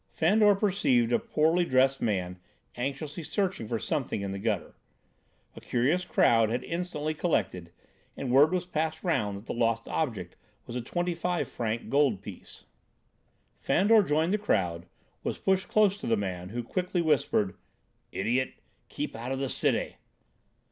Fandor perceived a poorly dressed man anxiously searching for something in the gutter. A curious crowd had instantly collected, and word was passed round that the lost object was a twenty five franc gold piece. Fandor, joining the crowd, was pushed close to the man, who quickly whispered: "Idiot! Keep out of the Cité."